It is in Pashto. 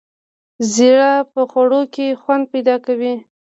زیره په خوړو کې خوند پیدا کوي